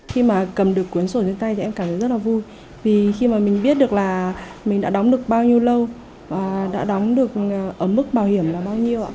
khi mà cầm được cuốn sổ trên tay thì em cảm thấy rất là vui vì khi mà mình biết được là mình đã đóng được bao nhiêu lâu và đã đóng được ở mức bảo hiểm là bao nhiêu ạ